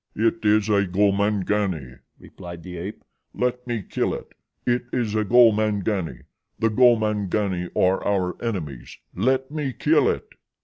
"It is a Gomangani," replied the ape. "Let me kill it. It is a Gomangani. The Gomangani are our enemies. Let me kill it."